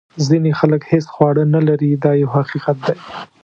ځینې خلک هیڅ خواړه نه لري دا یو حقیقت دی.